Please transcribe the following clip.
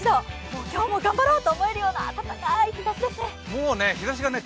もう今日も頑張ろうと思えるような暖かい日ざしですね。